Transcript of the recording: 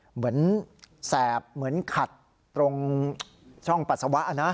เหมือนแสบเหมือนขัดตรงช่องปัสสาวะนะ